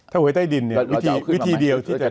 ถ้าหวยใต้ดินเนี่ยวิธีเดียว